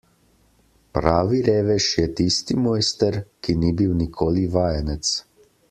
Pravi revež je tisti mojster, ki ni bil nikoli vajenec.